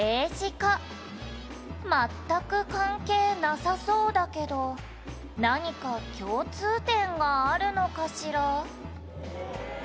「全く関係なさそうだけど何か共通点があるのかしら？」